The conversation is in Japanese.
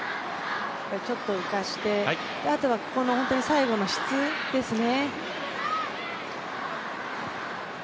ちょっと浮かして、あとは最後の質ですね。